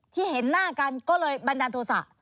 ที่เห็นหน้ากันก็เลยบันดาลโทษะ